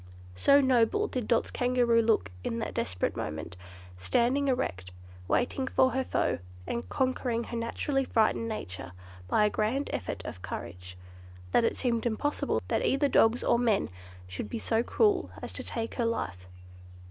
So noble did Dot's Kangaroo look in that desperate moment, standing erect, waiting for her foe, and conquering her naturally frightened nature by a grand effort of courage, that it seemed impossible that either dogs or men should be so cruel as to take her life.